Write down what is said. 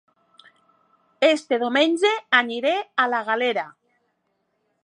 Aquest diumenge aniré a La Galera